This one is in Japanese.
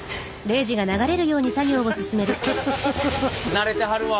慣れてはるわ。